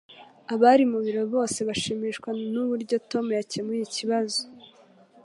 Abari mu biro bose bashimishijwe nuburyo Tom yakemuye ikibazo.